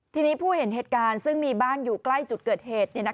ทีนี้ผู้เห็นเหตุการณ์ซึ่งมีบ้านอยู่ใกล้จุดเกิดเหตุ